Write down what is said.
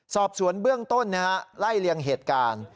สอบสวนเบื้องต้นไล่เลียงเหตุการณ์